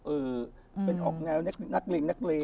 เออเป็นออกงานนักเล่นนักเล่น